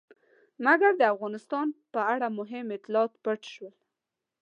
مګر د افغانستان په اړه مهم اطلاعات پټ شول.